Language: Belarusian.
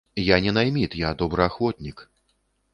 Я не найміт, я добраахвотнік.